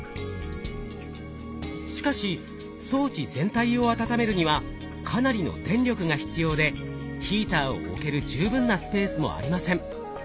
しかし装置全体を温めるにはかなりの電力が必要でヒーターを置ける十分なスペースもありません。